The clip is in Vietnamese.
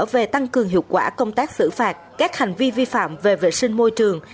về tăng cường hiệu quả công tác xử phạt các hành vi vi phạm về vệ sinh môi trường